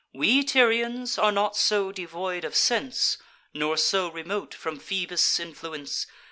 We Tyrians are not so devoid of sense, Nor so remote from Phoebus' influence.